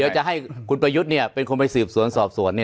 จะให้คุณประยุทธ์เป็นคนไปสืบสวนสอบสวน